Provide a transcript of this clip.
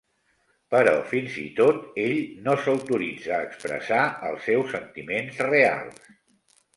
Però fins i tot ell no s'autoritza a expressar els seus sentiments reals.